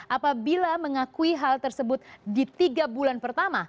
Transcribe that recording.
apabila mengakui hal tersebut di tiga bulan pertama